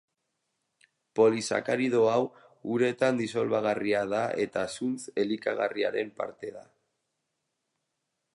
Polisakarido hau uretan disolbagarria da eta zuntz elikagarriaren parte da.